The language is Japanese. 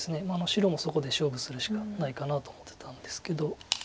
白もそこで勝負するしかないかなと思ってたんですけど。